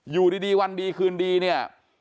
อยู่ดีวันดีคืนดีเนี่ย